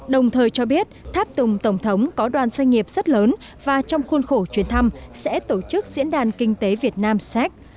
đồng thời cho biết tháp tùng tổng thống có đoàn doanh nghiệp rất lớn và trong khuôn khổ chuyến thăm sẽ tổ chức diễn đàn kinh tế việt nam séc